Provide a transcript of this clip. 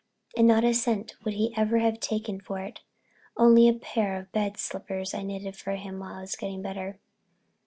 And not a cent would he ever take for it, only a pair of bed slippers I knitted for him while I was getting better.